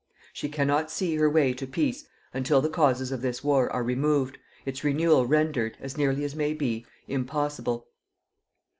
She cannot see her way to peace until the causes of this war are removed, its renewal rendered, as nearly as may be, impossible.